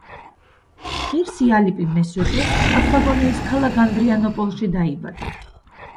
ღირსი ალიპი მესვეტე პაფლაგონიის ქალაქ ადრიანოპოლში დაიბადა.